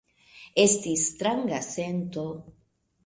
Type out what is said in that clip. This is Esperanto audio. Estis stranga sento.